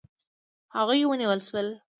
هغوی ونیول شول.